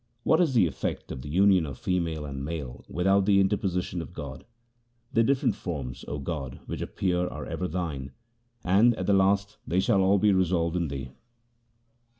What is the effect of the union of female and male without the interposition of God ? The different forms, O God, which appear are ever Thine, and at the last they shall all be resolved in Thee.